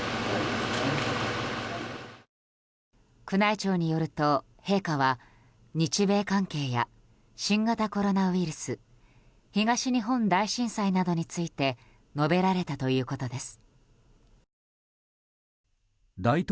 宮内庁によると、陛下は日米関係や新型コロナウイルス東日本大震災などについて述べられたということです。